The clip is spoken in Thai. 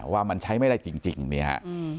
ว่ามันใช้ไม่ได้จริงเนี่ยฮะ